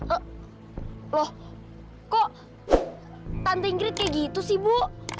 eh loh kok tante ingrit kayak gitu sih bu